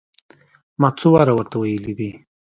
ما څو واره ور ته ويلي دي.